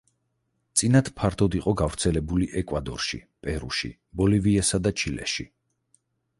წინათ ფართოდ იყო გავრცელებული ეკვადორში, პერუში, ბოლივიასა და ჩილეში.